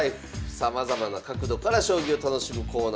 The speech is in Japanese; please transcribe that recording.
さまざまな角度から将棋を楽しむコーナーです。